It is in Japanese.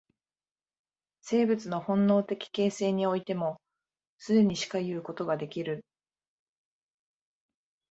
生物の本能的形成においても、既にしかいうことができる。